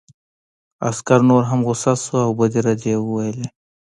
عسکر نور هم غوسه شو او بدې ردې یې وویلې